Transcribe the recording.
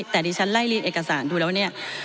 แต่ดิฉันไล่เรียงเอกสารดูแล้วเนี่ย